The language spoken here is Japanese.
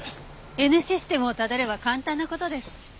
Ｎシステムをたどれば簡単な事です。